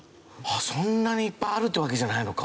そんなにいっぱいあるってわけじゃないのか。